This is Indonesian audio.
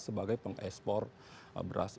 sebagai pengespor beras